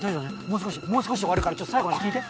もう少しもう少しで終わるからちょっと最後まで聞いて。